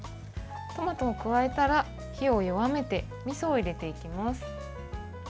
トマトを加えたら火を弱めてみそを入れていきます。